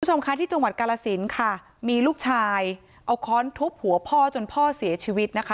คุณผู้ชมคะที่จังหวัดกาลสินค่ะมีลูกชายเอาค้อนทุบหัวพ่อจนพ่อเสียชีวิตนะคะ